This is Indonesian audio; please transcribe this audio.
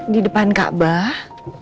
di depan ka'bah